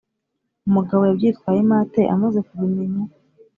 Umugabo yabyitwayemo ate amaze kubimenya?